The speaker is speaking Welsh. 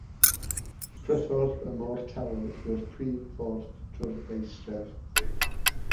Priffordd y Môr Tawel yw'r brif ffordd trwy'r faestref.